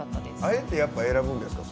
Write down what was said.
あれって選ぶんですか？